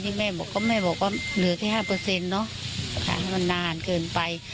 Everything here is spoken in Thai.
นี่แม่บอกว่าเหลือแค่๕เนอะมันนานเกินไป